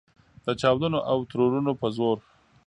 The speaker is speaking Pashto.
د چاودنو او ترورونو په زور.